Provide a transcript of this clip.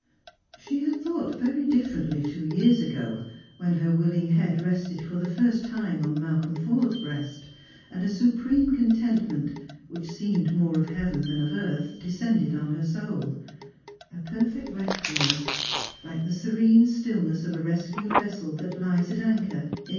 " She had thought very differently two years ago, when her wiUing head rested for the first time on Malcolm Forde's breast, and a supreme contentment, which seemed more of heaven than of earth, descended on her soul — a perfect restfulness, like the serene stillness of a rescued i'essel that lies at anchor in som?